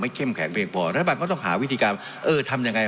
เข้มแข็งเพียงพอรัฐบาลก็ต้องหาวิธีการว่าเออทำยังไง